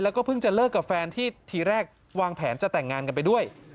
แล้วก็เพิ่งจะเลิกกับแฟนที่ทีแรกวางแผนจะแต่งงานกันไปด้วย